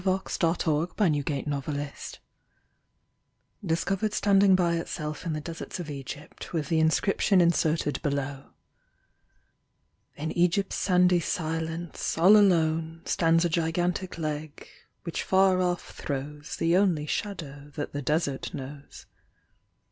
ON A STUPENDOUS LEG OF GRANITE, DISCOVERED STANDING UY ITSELF IN THE DE8EETS OF EGYPT, WITII THE INSCRIPTION IN8EETED UELOW. IN Egypt's sandy silence, all alone, Stands a gigantic Leg, which far off throws The only shadow that the Desert knows.